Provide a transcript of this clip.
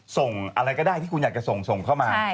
ส่งอะไรก็ได้ที่คุณอยากจะส่งเข้ามา